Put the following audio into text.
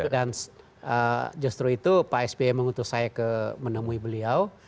dan justru itu pak spy mengutus saya ke menemui beliau